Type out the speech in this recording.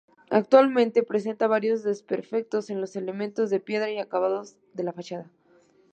Actualmente presenta varios desperfectos en los elementos de piedra y acabados de la fachada.